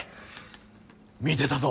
見てたぞ